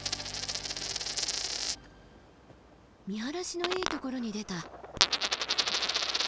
見晴らしのいいところに出た。